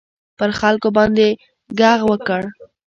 پر خلکو باندي ږغ وکړ.